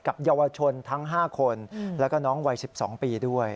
เยาวชนทั้ง๕คนแล้วก็น้องวัย๑๒ปีด้วย